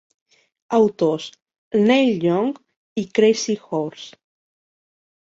Autors: Neil Young i Crazy Horse.